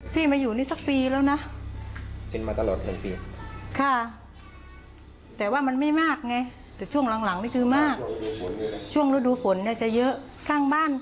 สามเดือนที่แล้วก็เทศบาลนะคะเขาก็ติดต่อกลับ